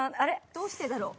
どうしてだろう。